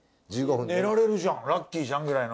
寝られるじゃんラッキーじゃんくらいの。